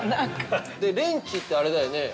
◆レンチってあれだよね。